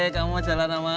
kamu mau jalan sama